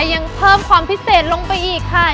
ยังเพิ่มความพิเศษลงไปอีกค่ะ